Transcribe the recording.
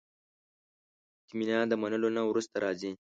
اطمینان د منلو نه وروسته راځي.